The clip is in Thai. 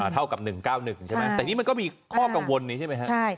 เท่ากับ๑๙๑ใช่ไหมแต่นี่มันก็มีข้อกังวลนี้ใช่ไหมครับ